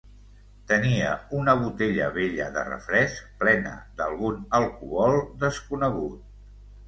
Tenia una botella vella de refresc plena d'algun alcohol desconegut.